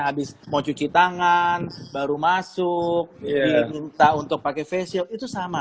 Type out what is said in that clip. habis mau cuci tangan baru masuk diminta untuk pakai face shield itu sama